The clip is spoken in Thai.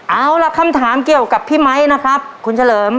เอาล่ะคำถามเกี่ยวกับพี่ไมค์นะครับคุณเฉลิม